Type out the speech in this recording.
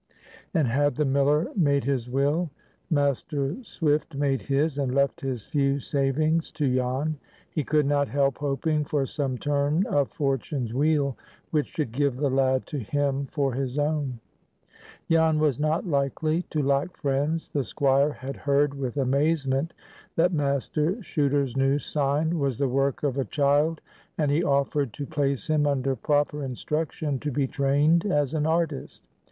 And had the miller made his will? Master Swift made his, and left his few savings to Jan. He could not help hoping for some turn of Fortune's wheel which should give the lad to him for his own. Jan was not likely to lack friends. The Squire had heard with amazement that Master Chuter's new sign was the work of a child, and he offered to place him under proper instruction to be trained as an artist.